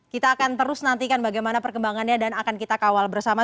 kita akan terus nantikan bagaimana perkembangannya dan akan kita kawal bersama